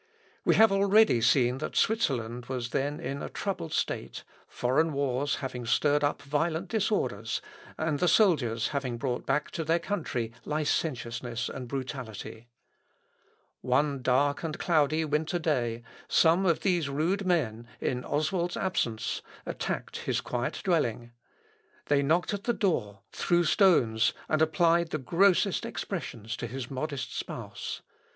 We have already seen that Switzerland was then in a troubled state, foreign wars having stirred up violent disorders, and the soldiers having brought back to their country licentiousness and brutality. One dark and cloudy winter day, some of these rude men, in Oswald's absence, attacked his quiet dwelling. They knocked at the door, threw stones, and applied the grossest expressions to his modest spouse.